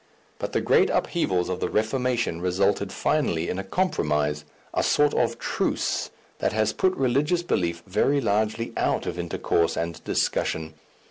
But the great upheavals of the Reformation resulted finally in a compromise, a sort of truce, that has put religious belief very largely out of intercourse and discussion.